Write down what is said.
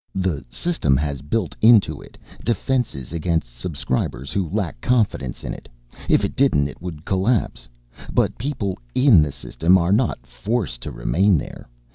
The System has built into it defenses against Subscribers who lack confidence in it if it didn't it would collapse. But people in the System are not forced to remain there.